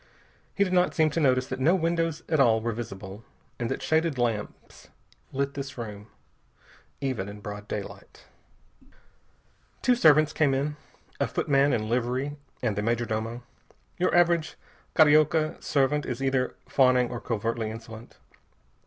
He did not seem to notice that no windows at all were visible, and that shaded lamps lit this room, even in broad daylight. Two servants came in, a footman in livery and the major domo. Your average Carioca servant is either fawning or covertly insolent.